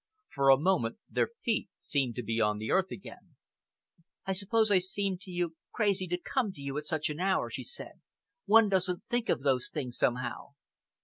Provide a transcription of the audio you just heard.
For a moment their feet seemed to be on the earth again. "I suppose I seem to you crazy to come to you at such an hour," she said. "One doesn't think of those things, somehow."